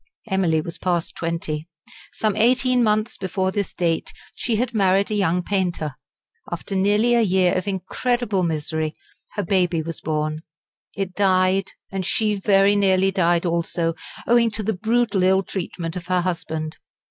Emily was past twenty. Some eighteen months before this date she had married a young painter. After nearly a year of incredible misery her baby was born. It died, and she very nearly died also, owing to the brutal ill treatment of her husband.